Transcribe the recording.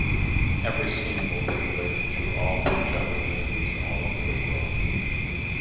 Every scene will be related to all Punjabi ladies all over the world.